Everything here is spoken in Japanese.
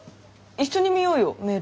一緒に見ようよメール。